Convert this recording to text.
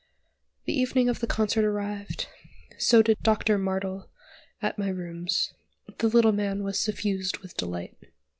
The evening of the concert arrived: so did Doctor Martel at my rooms: the little man was suffused with delight.